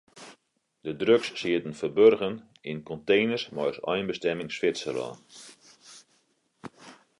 De drugs sieten ferburgen yn konteners mei as einbestimming Switserlân.